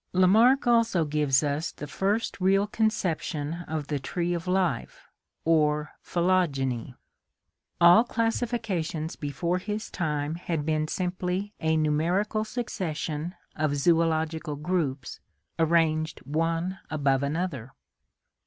Lamarck also gives us the first real conception of the tree of life, or phylogeny. All classifications before his time had been simply a numerical succession of zoSlogical groups arranged one above another.